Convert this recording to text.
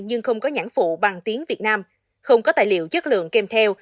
nhưng không có nhãn phụ bằng tiếng việt nam không có tài liệu chất lượng kèm theo